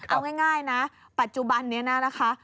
เอาง่ายนะปัจจุบันนี้นะนะคะ